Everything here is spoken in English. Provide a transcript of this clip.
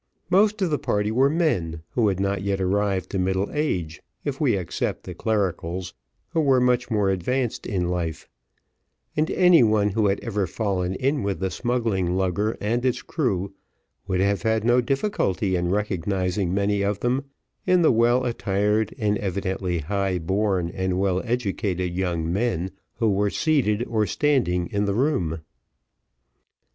Most of the party were men who had not yet arrived to middle age, if we except the clericals, who were much more advanced in life; and any one, who had ever fallen in with the smuggling lugger and its crew, would have had no difficulty in recognising many of them, in the well attired and evidently high born and well educated young men, who were seated or standing in the room.